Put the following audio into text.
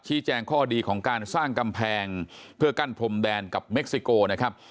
แจ้งข้อดีของการสร้างกำแพงเพื่อกั้นพรมแดนกับเม็กซิโกนะครับ